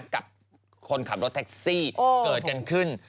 กับคนขับรถแท็กซี่เกิดกันขึ้น